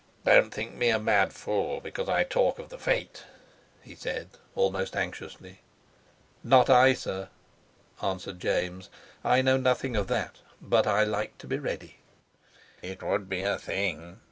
"Don't think me a mad fool, because I talk of the fate," he said, almost anxiously. "Not I, sir," answered James, "I know nothing of that. But I like to be ready." "It would be a thing!"